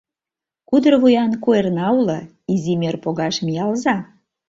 Кудыр вуян куэрна уло — Изи мӧр погаш миялза.